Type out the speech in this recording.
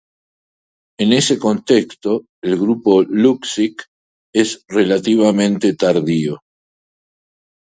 En ese contexto, el grupo Luksic es relativamente tardío.